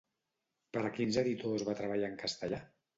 Per a quins editors va treballar en castellà?